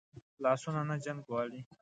لاسونه نه جنګ غواړي